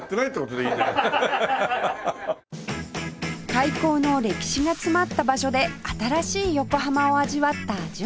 開港の歴史が詰まった場所で新しい横浜を味わった純ちゃん